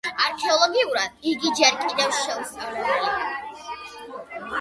არქეოლოგიურად იგი ჯერ კიდევ შეუსწავლელია.